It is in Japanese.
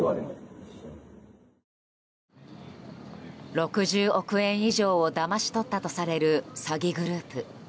６０億円以上をだまし取ったとされる詐欺グループ。